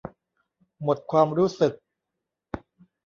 หมดความรู้สึก